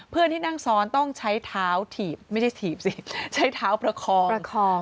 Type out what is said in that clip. เพื่อนที่นั่งซ้อนต้องใช้เท้าถีบไม่ใช่ถีบสิใช้เท้าประคองประคอง